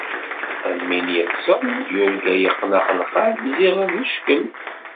Am win yeṭṭsen yurga yeqqen axelxal ziɣ d cckel.